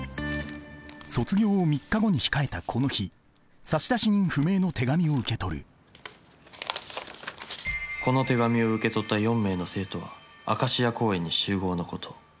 卒業を３日後に控えたこの日差出人不明の手紙を受け取る「この手紙を受け取った４名の生徒はアカシア公園に集合のこと」。